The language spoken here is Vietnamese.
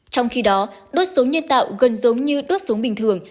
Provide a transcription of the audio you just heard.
trong khi đó đốt sống nhân tạo gần giống như đốt sống bình thường